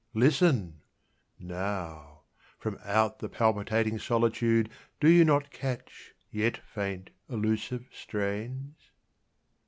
Listen! Now, From out the palpitating solitude Do you not catch, yet faint, elusive strains?